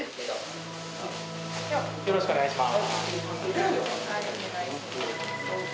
よろしくお願いします。